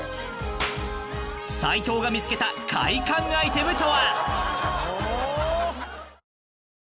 ［斉藤が見つけた快感アイテムとは？］